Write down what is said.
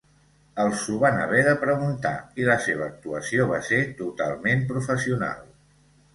Els ho van haver de preguntar i la seva actuació va ser totalment professional.